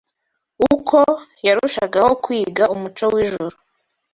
Uko yarushagaho kwiga umuco w’ijuru